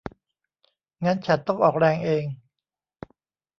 งั้นฉันต้องออกแรงเอง